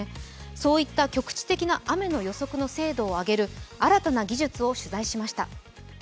そういった局地的な雨の予測の精度を上げる新たな技術を取材しました。